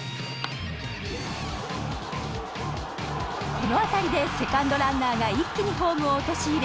この当たりでセカンドランナーが一気にホームを陥れ